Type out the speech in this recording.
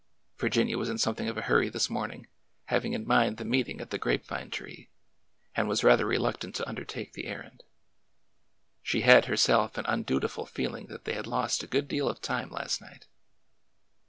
Virginia was in something of a hurry this morning, having in mind the meeting at the grape vine tree, and was rather reluctant to undertake the errand. She had, herself, an undutiful feeling that they had lost a good deal of time last night.